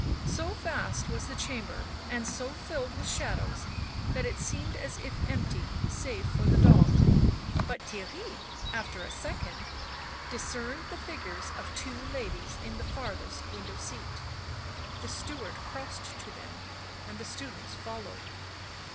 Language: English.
So vast was the chamber and so filled with shadows that it seemed as if empty save for the dog; but Theirry, after a second, discerned the figures of twx> ladies in the furthest window seat. The steward crossed to them and the students followed.